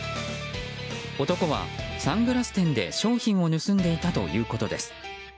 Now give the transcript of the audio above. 男はサングラス店で商品を盗んでいたということです。